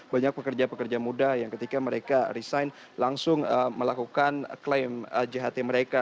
banyak pekerja pekerja muda yang ketika mereka resign langsung melakukan klaim jht mereka